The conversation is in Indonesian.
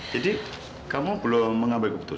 jadi kamu belum mengambil keputusan